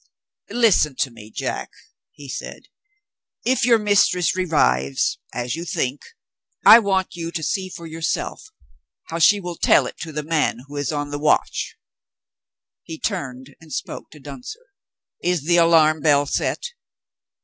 "Listen to me, Jack," he said. "If your mistress revives (as you think), I want you to see for yourself how she will tell it to the man who is on the watch." He turned, and spoke to Duntzer. "Is the alarm bell set?"